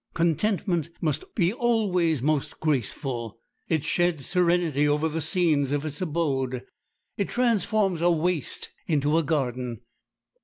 Contentment must be always most graceful; it sheds serenity over the scenes of its abode; it transforms a waste into a garden.